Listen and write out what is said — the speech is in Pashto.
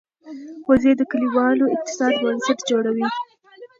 وزې د کلیوالو اقتصاد بنسټ جوړوي